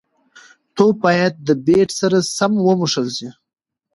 توپ باید د بېټ سره سم وموښلي.